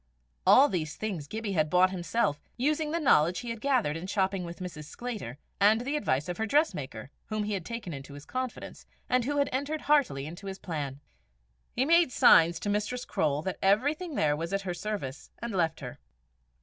All these things Gibbie had bought himself, using the knowledge he had gathered in shopping with Mrs. Sclater, and the advice of her dressmaker, whom he had taken into his confidence, and who had entered heartily into his plan. He made signs to Mistress Croale that everything there was at her service, and left her.